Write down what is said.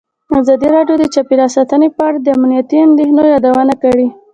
ازادي راډیو د چاپیریال ساتنه په اړه د امنیتي اندېښنو یادونه کړې.